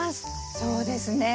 そうですね。